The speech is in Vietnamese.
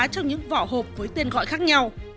trong những vỏ hộp với tên gọi khác nhau